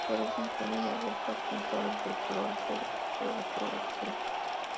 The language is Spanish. Florece en julio y agosto con flores de color azul o azul oscuro.